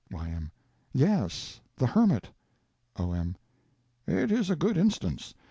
Y.M. Yes, the hermit. O.M. It is a good instance.